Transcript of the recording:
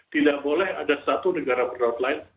tidak boleh ada satu negara berdaulat lain